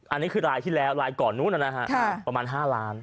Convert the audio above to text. อันนี้คือรายที่แล้วลายก่อนนู้นนะฮะประมาณ๕ล้าน